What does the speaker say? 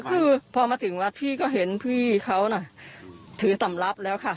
คือพอมาถึงวัดพี่ก็เห็นพี่เขาน่ะถือสำรับแล้วค่ะ